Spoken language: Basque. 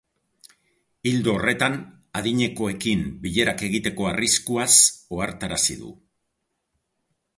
Ildo horretan, adinekoekin bilerak egiteko arriskuaz ohartarazi du.